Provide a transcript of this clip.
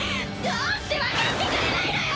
どうしてわかってくれないのよ！？